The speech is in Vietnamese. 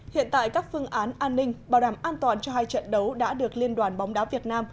hiện tại các phương án an ninh bảo đảm an toàn cho hai trận đấu đã được liên đoàn bóng đá việt nam